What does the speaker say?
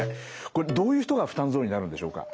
これどういう人が負担増になるんでしょうか？